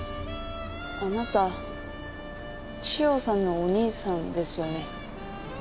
あなた千代さんのお兄さんですよね？